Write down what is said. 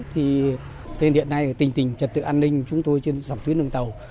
tên hiện nay là tình trình trật tự an ninh của chúng tôi trên dòng tuyến đường tàu